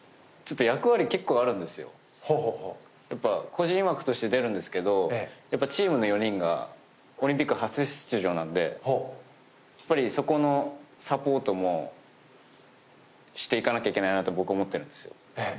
個人枠として出るんですけどチームの４人がオリンピック初出場なのでそこのサポートもしていかなきゃいけないなと僕は思ってるんですよ。